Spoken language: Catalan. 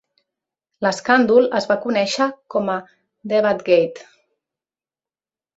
L'escàndol es va conèixer com a Debategate.